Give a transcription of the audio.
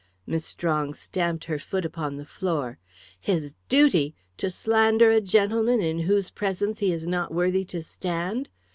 Miss Strong stamped her foot upon the floor. "His duty! to slander a gentleman in whose presence he is not worthy to stand!